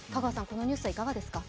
このニュースはいかがですか？